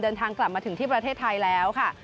เดินทางกลับมาถึงที่ประเทศไทยแล้วค่ะ